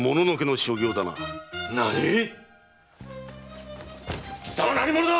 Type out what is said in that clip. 何⁉貴様何者だ！